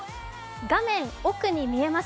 画面奥に見えます